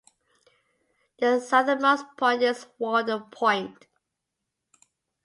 The southernmost point is Warden Point.